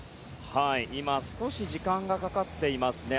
今、少し時間がかかっています。